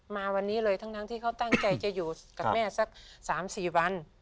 มาวันนี้เลยทั้งที่เขาตั้งใจจะอยู่กับแม่สัก๓๔วัน